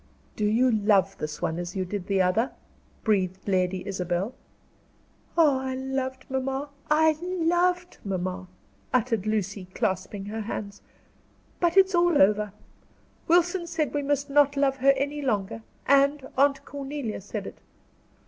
"Do you love this one as you did the other?" breathed Lady Isabel. "Oh, I loved mamma I loved mamma!" uttered Lucy, clasping her hands. "But it's all over. Wilson said we must not love her any longer, and Aunt Cornelia said it.